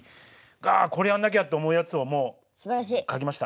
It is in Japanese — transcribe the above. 「あこれやんなきゃ」って思うやつをもう書きました。